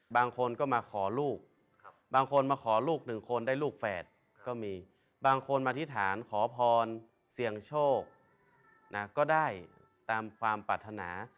บางคนก็มาขอลูกบางคนมาขอลูกหนึ่งคนได้ลูกแฝดก็มีบางคนมาอธิษฐานขอพรเสี่ยงโชคนะก็ได้ตามความปรารถนา